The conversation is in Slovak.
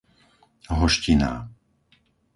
Hoštiná